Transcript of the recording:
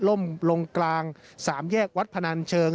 ล่มลงกลางสามแยกวัดพนันเชิง